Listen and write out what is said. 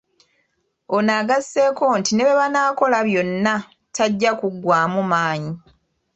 Ono agasseeko nti ne bwe banaakola byonna tajja kuggwaamu maanyi.